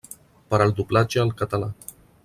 Per al doblatge al català.